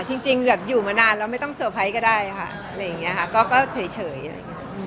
จริงแหละค่ะอยู่มานานแล้วไม่ต้องเซอร์ไพรส์ก็ได้ค่ะอะไรอย่างเงี้ยค่ะก็เฉย